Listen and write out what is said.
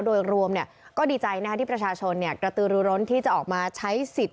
โดยรวมก็ดีใจที่ประชาชนกระตือรูร้นที่จะออกมาใช้สิทธิ์